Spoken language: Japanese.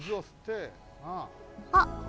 あっ。